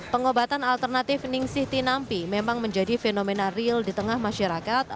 pengobatan alternatif ning siti nampi memang menjadi fenomena real di tengah masyarakat